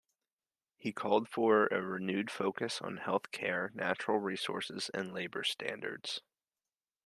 He called for a renewed focus on health care, natural resources and labour standards.